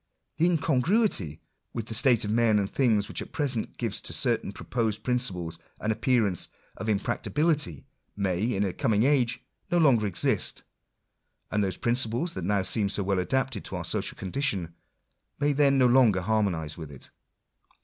That incongruity with the state of men and things which at present gives to certain proposed principles an appearance of impracticability, may, in a coming age, no longer exist; and those principles that now seem so well adapted to our social condition, may then do longer harmonise with it.